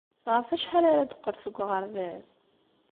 Ɣef wacḥal ara d-teqqel seg uɣerbaz?